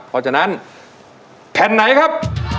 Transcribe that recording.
เพราะฉะนั้นแผ่นไหนครับ